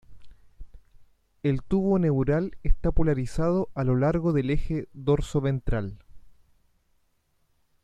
El tubo neural está polarizado a lo largo del eje dorsoventral.